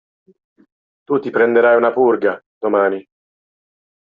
Tu ti prenderai una purga, domani.